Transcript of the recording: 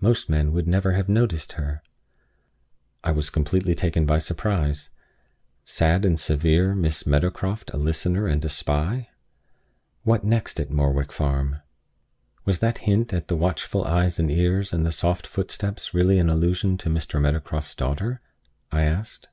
Most men would never have noticed her." I was completely taken by surprise. Sad and severe Miss Meadowcroft a listener and a spy! What next at Morwick Farm? "Was that hint at the watchful eyes and ears, and the soft footsteps, really an allusion to Mr. Meadowcroft's daughter?" I asked.